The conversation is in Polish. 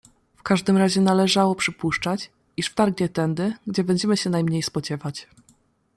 "W każdym razie należało przypuszczać, iż wtargnie tędy, gdzie będziemy się najmniej spodziewać."